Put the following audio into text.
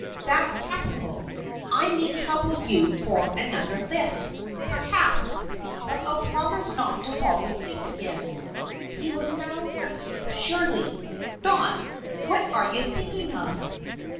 That's capital! I may trouble you for another lift, perhaps, but I'll promise not to fall asleep again.' He was sound asleep surely! Dot, what are you thinking of?"